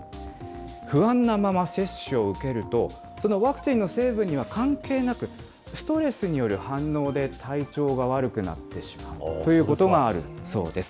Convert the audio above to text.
不安なまま、接種を受けると、そのワクチンの成分には関係なく、ストレスによる反応で体調が悪くなってしまうということがあるそうです。